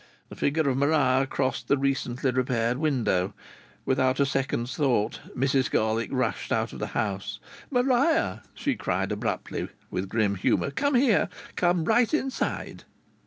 The figure of Maria crossed the recently repaired window. Without a second's thought Mrs Garlick rushed out of the house. "Maria!" she cried abruptly with grim humour. "Come here. Come right inside."